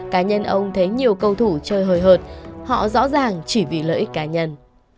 cá nhân ông thấy nhiều cầu thủ chơi hời hợt họ rõ ràng chỉ vì lợi ích cá nhân